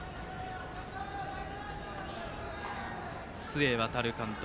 須江航監督。